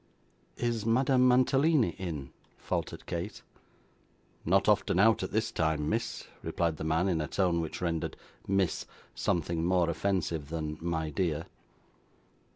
'Is Madame Mantalini in?' faltered Kate. 'Not often out at this time, miss,' replied the man in a tone which rendered "Miss," something more offensive than "My dear."